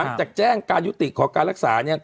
จากแจ้งการยุติขอการรักษาเนี่ย